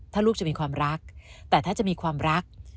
ถ้าลูกจะมีความรักแต่ถ้าจะมีความรัก